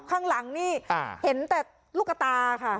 ข้างหลังนี่เห็นแต่ลูกกระตาค่ะ